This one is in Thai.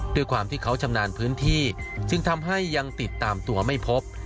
ด้วยความที่เขาชำนาญพื้นที่จึงทำให้ยังติดตามตัวไม่พบ